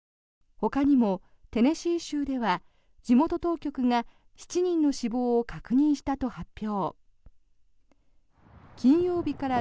ほかにも、テネシー州では地元当局が７人の死亡を確認したと発表。